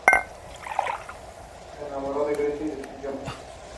She lost her mother at fourteen months of age.